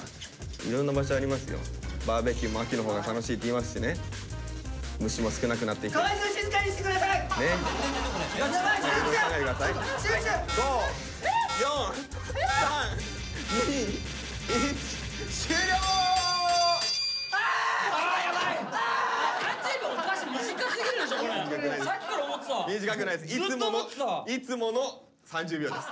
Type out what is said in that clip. いつもの３０秒です。